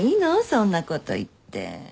そんなこと言って。